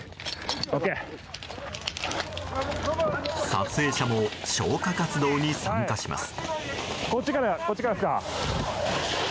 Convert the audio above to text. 撮影者も消火活動に参加します。